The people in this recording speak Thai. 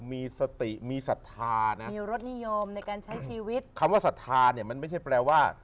มีสติมีศรัทธานะมีรสนิยมในการใช้ชีวิตคำว่าศรัทธาเนี่ยมันไม่ใช่แปลว่า